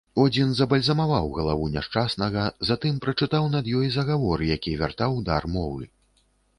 Одзін забальзамаваў галаву няшчаснага, затым прачытаў над ёй загавор, які вяртаў дар мовы.